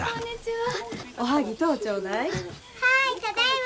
はいただいま。